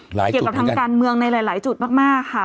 เกี่ยวกับทางการเมืองในหลายจุดมากค่ะ